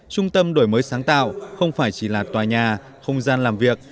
trung tâm đổi mới sáng tạo không phải chỉ là tòa nhà không gian làm việc